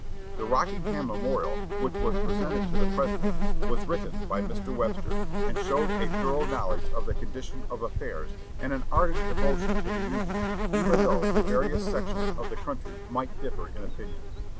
The "Rockingham Memorial," which was presented to the President, was written by Mr. Webster, and showed a thorough knowledge of the condition of affairs, and an ardent devotion to the Union, even though the various sections of the country might differ in opinion.